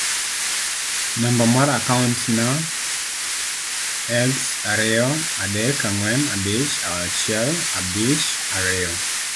namba mar akaont na: egx ariyo adek ang'wen abich achiel abich ariyo